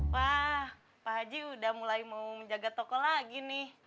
wah pak haji udah mulai mau menjaga toko lagi nih